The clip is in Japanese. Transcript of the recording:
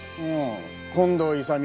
近藤勇